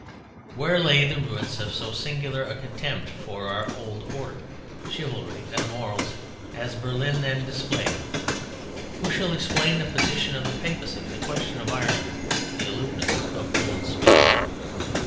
Where lay the roots of so singular a contempt for our old order, chivalry and morals, as Berlin then displayed? Who shall explain the position of the Papacy, the question of Ireland, the aloofness of old Spain?